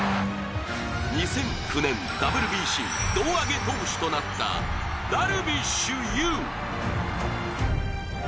２００９年、ＷＢＣ胴上げ投手となったダルビッシュ有。